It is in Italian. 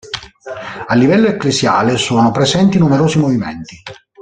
A livello ecclesiale sono presenti numerosi movimenti.